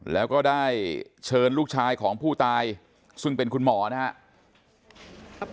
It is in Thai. แล้วก็ได้เชิญลูกชายของผู้ตายซึ่งเป็นคุณหมอนะครับ